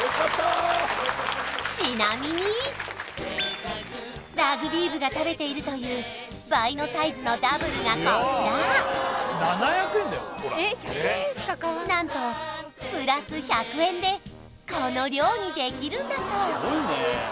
ちなみにラグビー部が食べているという倍のサイズのダブルがこちら何とプラス１００円でこの量にできるんだそう